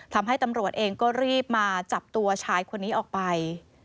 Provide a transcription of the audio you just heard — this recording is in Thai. ทำให้ตำรวจเองก็รีบมาจับตัวชายคนนี้ออกไป